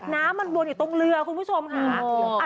น้ำมันวนอยู่ตรงเรือคุณผู้ชมค่ะ